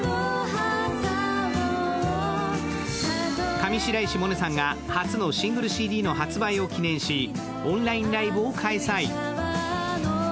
上白石萌音さんが初のシングルＣＤの発売を記念し、オンラインライブを開催。